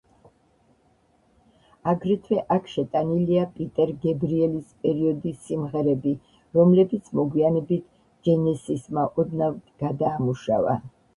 აგრეთვე, აქ შეტანილია პიტერ გებრიელის პერიოდის სიმღერები, რომლებიც მოგვიანებით ჯენესისმა ოდნავ გადაამუშავა.